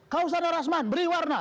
kausana rasman beri warna